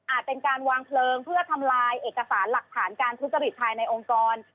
เป็นการวางเพลิงเพื่อทำลายเอกสารหลักฐานการทุจริตภายในองค์กร